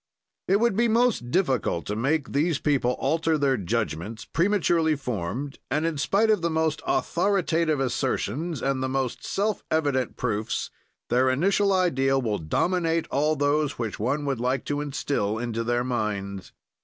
"It would be most difficult to make these people alter their judgment, prematurely formed, and, in spite of the most authoritative assertions and the most self evident proofs, their initial idea will dominate all those which one would like to instil into their minds.